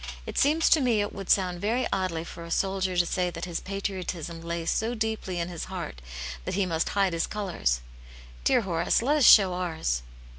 It seems to me it would sound very oddly for a soldier to say that his patriotism lay so deeply in his heart that he must hide his colours. Dear Horace, let us show ours."